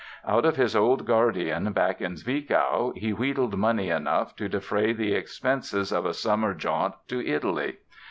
Out of his old guardian, back in Zwickau, he wheedled money enough to defray the expenses of a summer jaunt to Italy.